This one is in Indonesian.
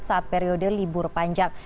saat periode libur panjang